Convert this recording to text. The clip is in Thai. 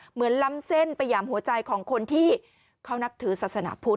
ล้ำเส้นไปหยามหัวใจของคนที่เขานับถือศาสนาพุทธ